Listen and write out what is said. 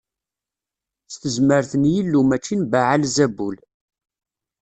S tezmert n Yillu mačči n Baɛal Zabul.